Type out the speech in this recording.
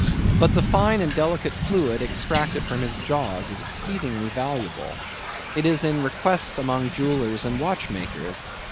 But the fine and delicate fluid extracted from his jaws is exceedingly valuable. It is in request among jewellers and watchmakers.